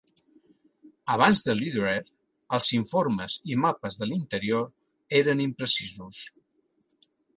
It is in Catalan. Abans de Lederer, els informes i mapes de l'interior eren imprecisos.